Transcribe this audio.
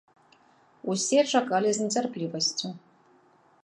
Усе чакалі з нецярплівасцю.